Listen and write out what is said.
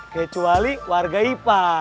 kecuali warga ipa